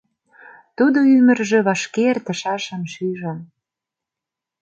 Тудо ӱмыржӧ вашке эртышашым шижын.